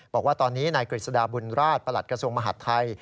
บอกว่าตอนนี้นายกฤษฎาบุญราชประหลัดกระทรวงมหาดไทย